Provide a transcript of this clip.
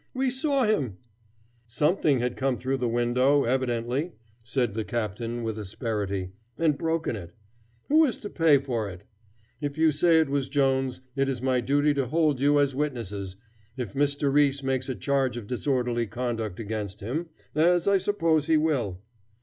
"We saw him " "Something has come through the window, evidently," said the captain, with asperity, "and broken it. Who is to pay for it? If you say it was Jones, it is my duty to hold you as witnesses, if Mr. Riis makes a charge of disorderly conduct against him, as I suppose he will."